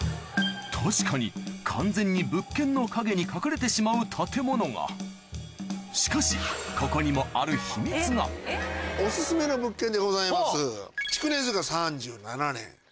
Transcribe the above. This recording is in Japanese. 確かに完全に物件の陰に隠れてしまう建物がしかしここにもあるオススメの物件でございます。